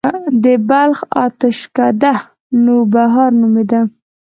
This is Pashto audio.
د بلخ اتشڪده نوبهار نومیده